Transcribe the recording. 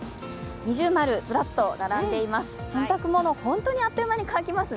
二重丸ずらっと並んでいます。